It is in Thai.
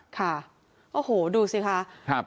ค่ะโอ้โหดูสิคะ